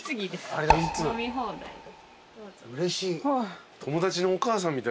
うれしい。